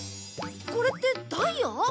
これってダイヤ？